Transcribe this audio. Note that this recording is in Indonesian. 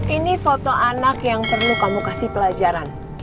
ini foto anak yang perlu kamu kasih pelajaran